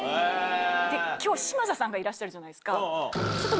今日嶋佐さんがいらっしゃるじゃないですか。